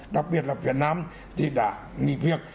đặc biệt là việt nam thì đã nghỉ việc